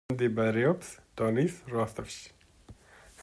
მდებარეობს დონის როსტოვში.